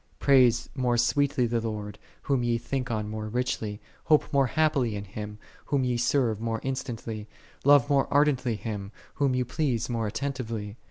Praise more sweetly the Lord, Whom ye think on more richly: hope more happily in Him, Whom ye serve more instantly: love more ardently Him, whom ye please more attentive ly.